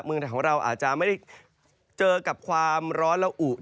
เมืองไทยของเราอาจจะไม่ได้เจอกับความร้อนและอุ